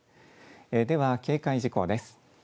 では警戒事項です。